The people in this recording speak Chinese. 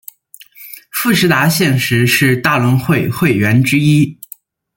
富士达现时是大轮会会员之一。